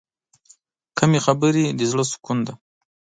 کمې خبرې، د زړه سکون دی.